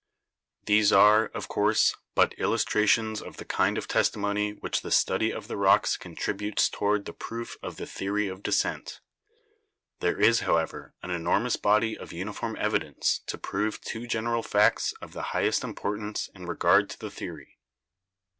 These are, of course, but illustrations of the kind of testimony which the study of the rocks contributes to ward the proof of the theory of descent. There is, how ever, an enormous body of uniform evidence to prove two general facts of the highest importance in regard to the theory.